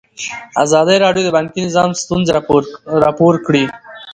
ازادي راډیو د بانکي نظام ستونزې راپور کړي.